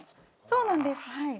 そうなんですはい。